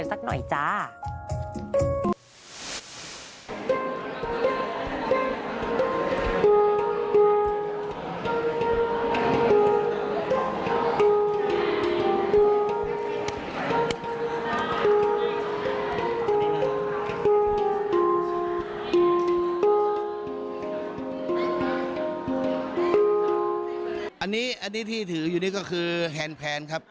อันนี้ที่ถืออยู่นี่ก็คือแฮนแพนครับ